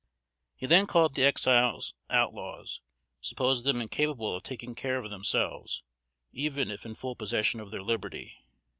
He then called the Exiles "outlaws," supposed them incapable of taking care of themselves, even if in full possession of their liberty.